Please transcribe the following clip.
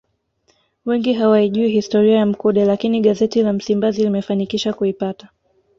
Wengi hawaijui historia ya Mkude lakini gazeti la Msimbazi limefanikisha kuipata